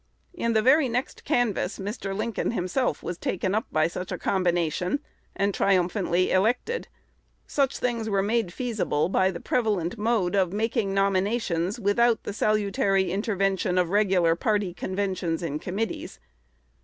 In the very next canvass Mr. Lincoln himself was taken up by such a combination and triumphantly elected. Such things were made feasible by the prevalent mode of making nominations without the salutary intervention of regular party conventions and committees.